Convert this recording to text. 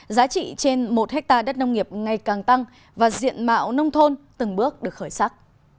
giá trị trên một hectare đất nông nghiệp ngày càng tăng và diện mạo nông thôn từng bước được khởi sắc